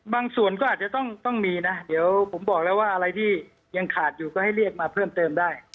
บางส่วนก็อาจจะต้องมีนะเดี๋ยวผมบอกแล้วว่าอะไรที่ยังขาดอยู่ก็ให้เรียกมาเพิ่มเติมได้